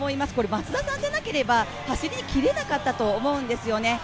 松田さんじゃなければ走りきれなかったと思うんですよね。